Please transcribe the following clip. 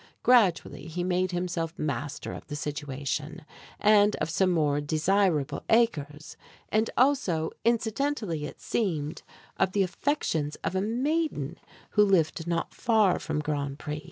Gradually he made himself master of the situation, and of some more desirable acres, and also, incidentally it seemed, of the affections of a maiden who lived not far from Grand Pré.